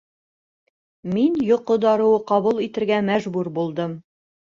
Мин йоҡо дарыуы ҡабул итергә мәжбүр булдым